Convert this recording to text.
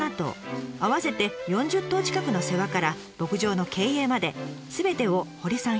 合わせて４０頭近くの世話から牧場の経営まですべてを堀さん